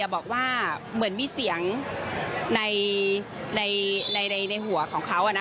บอกว่าเหมือนมีเสียงในหัวของเขา